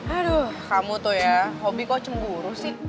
aduh kamu tuh ya hobi kok cemburu sih